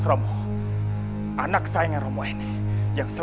orang orang boleh meminta endang